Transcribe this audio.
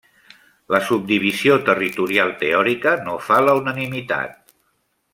La subdivisió territorial teòrica no fa la unanimitat.